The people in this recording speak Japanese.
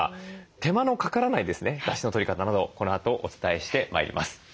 手間のかからないだしのとり方などこのあとお伝えしてまいります。